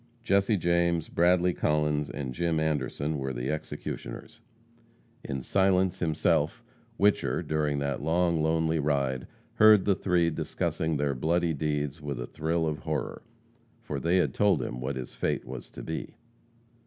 Jesse James, Bradley Collins and Jim Anderson were the executioners. In silence himself, Whicher, during that long, lonely ride heard the three discussing their bloody deeds with a thrill of horror, for they had told him what his fate was to be.